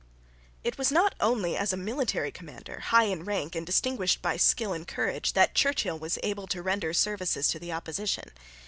It was not only as a military commander, high in rank, and distinguished by skill and courage, that Churchill was able to render services to the opposition.